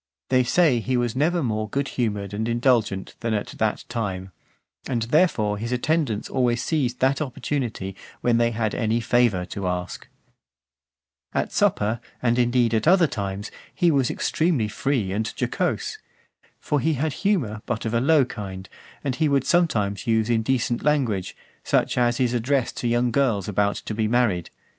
They say that he was never more good humoured and indulgent than at that time: and therefore his attendants always seized that opportunity, when they had any favour to ask. XXII. At supper, and, indeed, at other times, he was extremely free and jocose. For he had humour, but of a low kind, and he would sometimes use indecent language, such as is addressed to young girls about to be married.